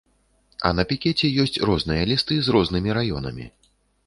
А на пікеце ёсць розныя лісты з рознымі раёнамі.